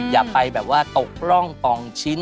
อย่าไปแบบว่าตกร่องปองชิ้น